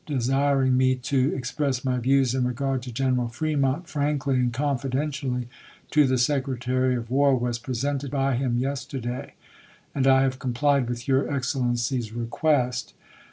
desiring me to express my views in regard to General Fremont frankly and confidentially to the Secretary of War, was presented by him yesterday, and I have complied with your Ex cellency's request.